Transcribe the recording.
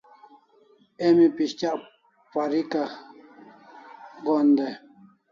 Emi pes'tyak parika gohan dai?